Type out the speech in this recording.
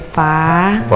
nambah lagi deh pak